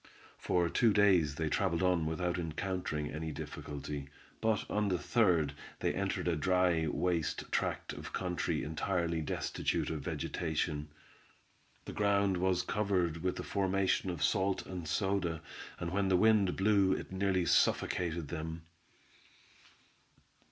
For two days they traveled on without encountering any difficulty; but on the third they entered a dry, waste tract of country entirely destitute of vegetation. The ground was covered with a formation of salt and soda, and when the wind blew it nearly suffocated them.